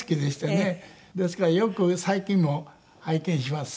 ですからよく最近も拝見します。